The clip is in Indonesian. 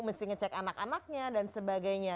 mesti ngecek anak anaknya dan sebagainya